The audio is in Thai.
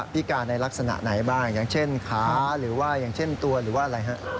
พิการในลักษณะไหนบ้างอย่างเช่นขาหรือว่าอย่างเช่นตัวหรือว่าอะไรฮะ